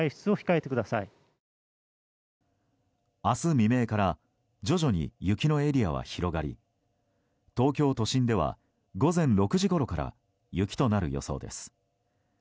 明日未明から徐々に雪のエリアは広がり東京都心では、午前６時ごろから雪となる予想です。